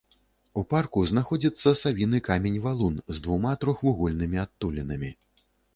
У парку знаходзіцца савіны камень-валун з двума трохвугольнымі адтулінамі.